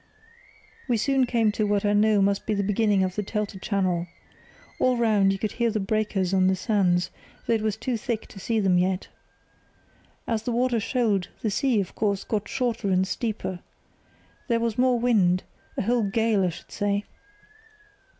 "We soon came to what I knew must be the beginning of the Telte channel. All round you could hear the breakers on the sands, though it was too thick to see them yet. As the water shoaled, the sea, of course, got shorter and steeper. There was more wind—a whole gale I should say.